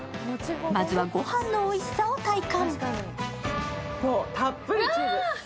まずは、ご飯のおいしさを体感。